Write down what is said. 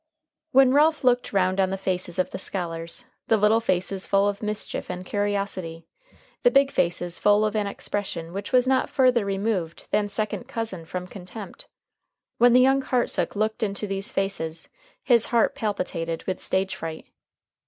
When Ralph looked round on the faces of the scholars the little faces full of mischief and curiosity, the big faces full of an expression which was not further removed than second cousin from contempt when when young Hartsook looked into these faces, his heart palpitated with stage fright.